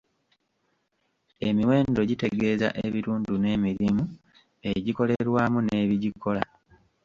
Emiwendo gitegeeza ebitundu n'emirimu egikolerwamu n'ebigikola.